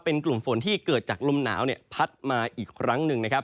เนื่องจากหมายความว่าเป็นกลุ่มฝนที่เกิดจากลมหนาวเนี่ยพัดมาอีกครั้งนึงนะครับ